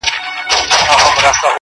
ددې سايه به ،پر تا خوره سي.